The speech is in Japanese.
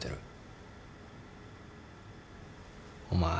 お前